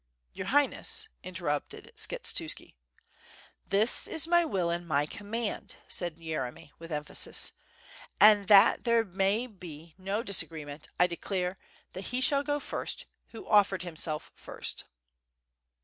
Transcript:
"Your Highness," intermpted Skshetuski. "This is my will and my command," said Yeremy, with emphasis. "And that there may be no disagreement, I de clare that he shall go first who offered himself first."